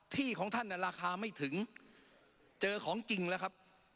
ที่ของท่านราคาไม่ถึงเจอของจริงแล้วครับ